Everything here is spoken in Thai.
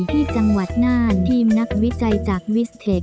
ที่จังหวัดน่านทีมนักวิจัยจากวิสเทค